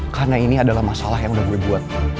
karena ini adalah masalah yang udah gue buat